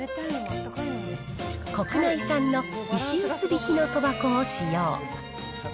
国内産の石臼びきのそば粉を使用。